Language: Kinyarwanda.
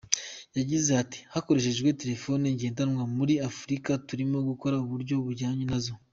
Yagize ati “Hakoreshejwe telefoni ngendanwa, muri Afurika turimo gukora uburyo bujyanye nazo.